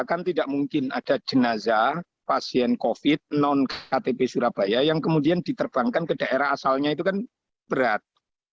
kan tidak mungkin ada jenazah pasien covid non ktp surabaya yang kemudian diterbangkan ke daerah asalnya itu kan berat